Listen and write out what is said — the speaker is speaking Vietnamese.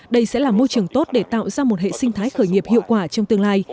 đây sẽ là môi trường tốt để tạo ra một hệ sinh thái khởi nghiệp hiệu quả trong tương lai